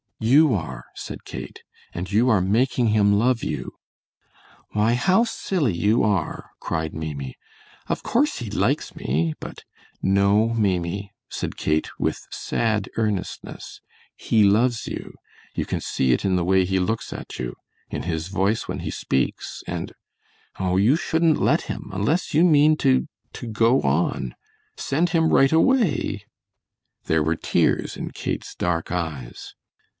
"You are," said Kate, "and you are making him love you." "Why, how silly you are," cried Maimie; "of course he likes me, but " "No, Maimie," said Kate, with sad earnestness, "he loves you; you can see it in the way he looks at you; in his voice when he speaks and oh, you shouldn't let him unless you mean to to go on. Send him right away!" There were tears in Kate's dark eyes.